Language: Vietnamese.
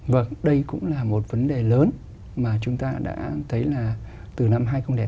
vâng đây cũng là một vấn đề lớn mà chúng ta đã thấy là từ năm hai nghìn tám